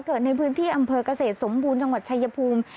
เกิดในพื้นที่อำเภอกเกษตรสมบูรณ์จังหวัดชายภูมิ